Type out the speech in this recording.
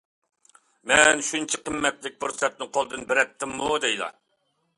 -مەن شۇنچە قىممەتلىك پۇرسەتنى قولدىن بېرەتتىمۇ دەيلا.